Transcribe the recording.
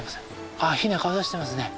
あヒナ顔出してますね。